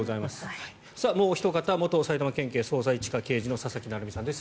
もうおひと方元埼玉県警捜査１課刑事の佐々木成三さんです。